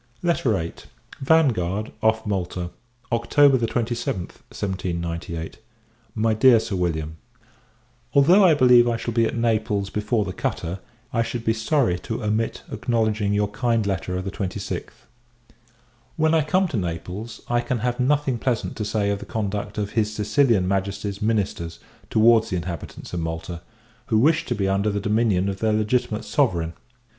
VIII. Vanguard, off Malta, October 27th, 1798. MY DEAR SIR WILLIAM, Although I believe I shall be at Naples before the cutter, yet I should be sorry to omit acknowledging your kind letter of the twenty sixth. When I come to Naples, I can have nothing pleasant to say of the conduct of his Sicilian Majesty's ministers towards the inhabitants of Malta, who wish to be under the dominion of their legitimate Sovereign.